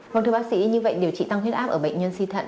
vâng thưa bác sĩ như vậy điều trị tăng huyết áp ở bệnh nhân suy thận